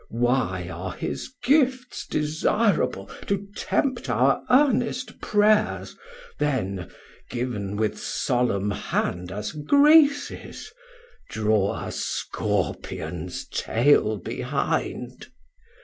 Why are his gifts desirable, to tempt Our earnest Prayers, then giv'n with solemn hand As Graces, draw a Scorpions tail behind?